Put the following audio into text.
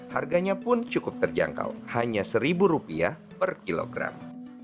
harganya pun cukup terjangkau hanya satu rupiah per kilogram